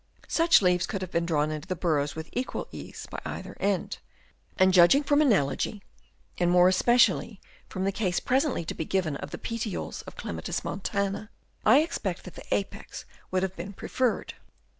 Such leaves could have been drawn into the burrows with equal ease by either end ; and judging from analogy and more especially from the case presently to be given of the petioles of Clematis montana, I expected that the apex would have been preferred.